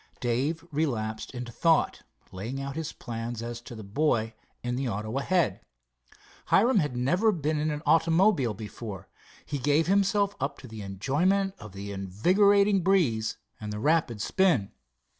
Dave relapsed into thought, laying out his plans as to the boy in the auto ahead. Hiram had never been in an automobile before. He gave himself up to the enjoyment of the invigorating breeze and the rapid spin.